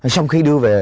xong khi đưa về